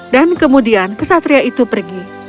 dan kemudian kesatria itu pergi